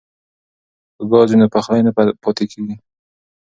که ګاز وي نو پخلی نه پاتې کیږي.